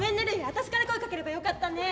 私から声かければよかったね。